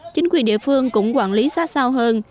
chính quyền địa phương cũng quản lý xa xao hơn